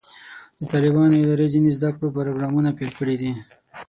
د طالبانو ادارې ځینې زده کړو پروګرامونه پیل کړي دي.